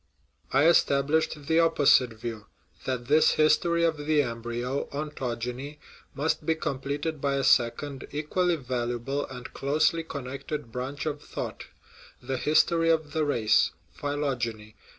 I established the opposite view, that this his tory of the embryo (ontogeny) must be completed by a second, equally valuable, and closely connected branch of thought the history of the race (phylogeny).